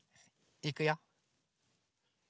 いくよ。